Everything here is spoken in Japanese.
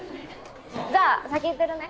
じゃあ先行ってるね。